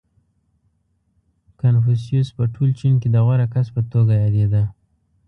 • کنفوسیوس په ټول چین کې د غوره کس په توګه یادېده.